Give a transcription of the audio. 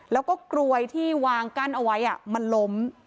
แล้วก็กลวยที่วางกั้นเอาไว้มันล้ม